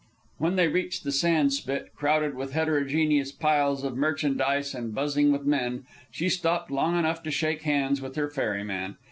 When they reached the sand spit, crowded with heterogeneous piles of merchandise and buzzing with men, she stopped long enough to shake hands with her ferryman.